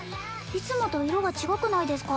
いつもと色が違くないですか？